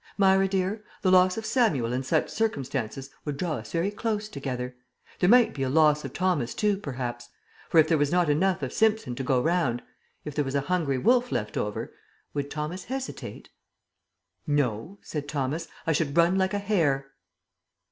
Myra dear, the loss of Samuel in such circumstances would draw us very close together. There might be a loss of Thomas too, perhaps for if there was not enough of Simpson to go round, if there was a hungry wolf left over, would Thomas hesitate?" "No," said Thomas, "I should run like a hare."